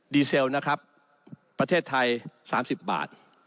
เซลนะครับประเทศไทย๓๐บาท